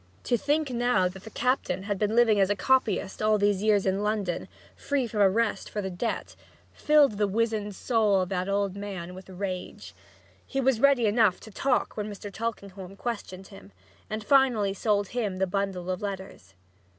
To think now that the captain had been living as a copyist all these years in London, free from arrest for the debt, filled the wizened soul of the old man with rage. He was ready enough to talk when Mr. Tulkinghorn questioned him, and finally sold him the bundle of letters.